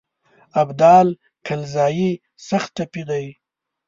ابدال کلزايي سخت ټپي دی.